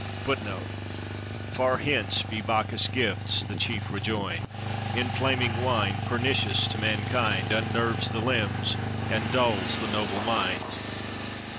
^' '"Far hence be Bacchus' gifts,' the chief rejoined; 'Inflaming wine, pernicious to mankind, Unnerves the limbs, and dulls the noble mind.'